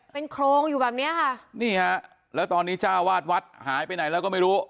เป็นโครงอยู่แบบเนี้ยค่ะนี่ฮะแล้วตอนนี้จ้าวาดวัดหายไปไหนแล้วก็ไม่รู้